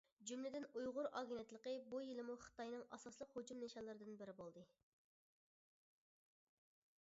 جۈملىدىن ئۇيغۇر ئاگېنتلىقى بۇ يىلمۇ خىتاينىڭ ئاساسلىق ھۇجۇم نىشانلىرىدىن بىرى بولدى.